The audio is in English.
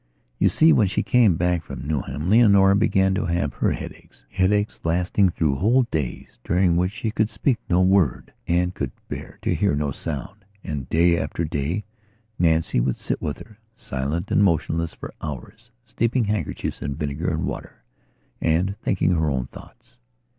You seewhen she came back from Nauheim Leonora began to have her headachesheadaches lasting through whole days, during which she could speak no word and could bear to hear no sound. And, day after day, Nancy would sit with her, silent and motionless for hours, steeping handkerchiefs in vinegar and water, and thinking her own thoughts.